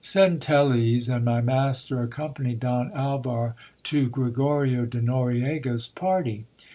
Centelles and my master accompanied Don Alvar to Gregorio de Noriega's party.